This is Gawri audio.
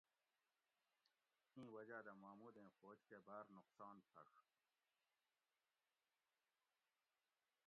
ایں وجا دہ محمودیں فوج کہ باۤر نقصان پھڛ